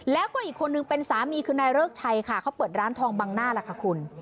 แล้วก็อีกคนนึงเป็นสามีคือนายเริกชัยค่ะเขาเปิดร้านทองบังหน้าล่ะค่ะคุณ